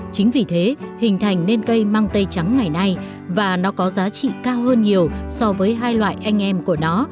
chính vì thế hình thành nên cây mang tây trắng ngày nay và nó có giá trị cao hơn nhiều so với hai loại anh em của nó